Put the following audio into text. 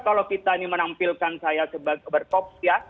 kalau kita menampilkan saya sebagai berkops